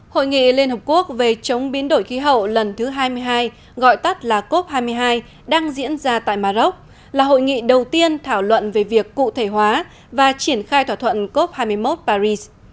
hội nghị liên hợp quốc về chống biến đổi khí hậu lần thứ hai mươi hai gọi tắt là cop hai mươi hai đang diễn ra tại maroc là hội nghị đầu tiên thảo luận về việc cụ thể hóa và triển khai thỏa thuận cop hai mươi một paris